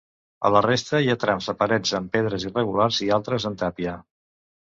A la resta hi ha trams de paret en pedres irregulars i altres en tàpia.